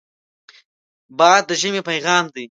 باد د ژمې پیغام دی